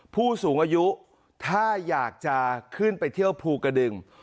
ผู้สูงอายุถ้าอยากจะขึ้นไปเที่ยวภูกระดึง